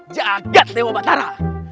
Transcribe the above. masa berikutnya gini